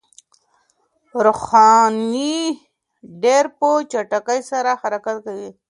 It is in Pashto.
روښنايي ډېر په چټکۍ سره حرکت کوي.